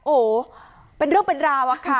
โอ้โหเป็นเรื่องเป็นราวอะค่ะ